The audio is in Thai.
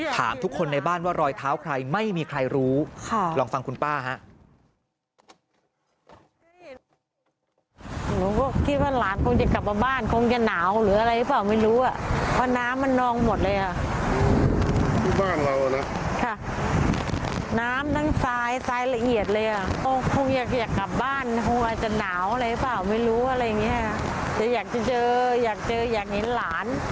ถามทุกคนในบ้านว่ารอยเท้าใครไม่มีใครรู้ลองฟังคุณป้าฮะ